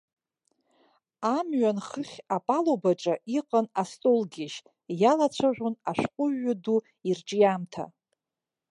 Амҩан хыхь апалубаҿы иҟан астолгьежь, иалацәажәон ашәҟәыҩҩы ду ирҿиамҭа.